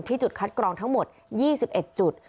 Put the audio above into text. จุดคัดกรองทั้งหมด๒๑จุด